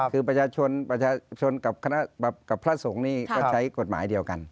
คือประชาชนกับพระสงฆ์นี่ก็ใช้กฎหมายเดียวกัน